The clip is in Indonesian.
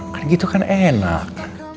kan gitu kan enak